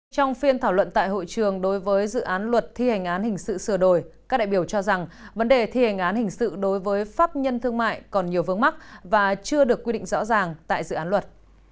trong phiên thảo luận tại hội trường đối với dự án luật thi hành án hình sự sửa đổi các đại biểu cho rằng vấn đề thi hành án hình sự đối với pháp nhân thương mại còn nhiều vướng mắt và chưa được quy định rõ ràng tại dự án luật